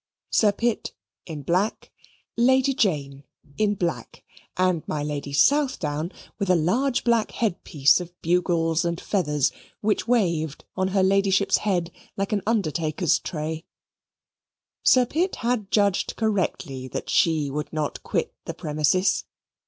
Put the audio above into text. Sir Pitt in black, Lady Jane in black, and my Lady Southdown with a large black head piece of bugles and feathers, which waved on her Ladyship's head like an undertaker's tray. Sir Pitt had judged correctly, that she would not quit the premises.